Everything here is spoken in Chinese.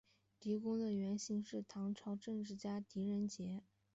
狄公的原型是唐朝政治家狄仁杰。